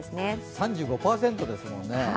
３５％ですもんね。